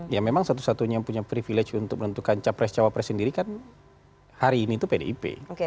ya memang satu satunya yang punya privilege untuk menentukan capres cawapres sendiri kan hari ini itu pdip